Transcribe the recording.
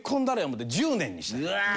思うて１０年にした。